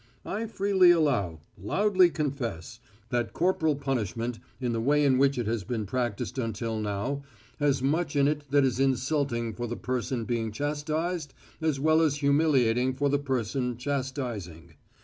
I freely allow, loudly confess, that corporal punishment, in the way in which it has been practised until now, has much in it that is insulting for the person being chastised as well as humiliating for the person chastising.